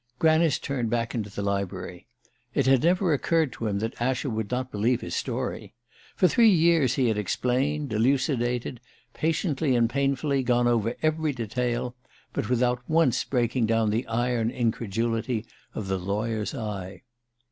Granice turned back into the library. It had never occurred to him that Ascham would not believe his story. For three hours he had explained, elucidated, patiently and painfully gone over every detail but without once breaking down the iron incredulity of the lawyer's eye.